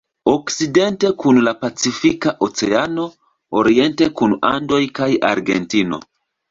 Okcidente kun la Pacifika Oceano, oriente kun Andoj kaj Argentino.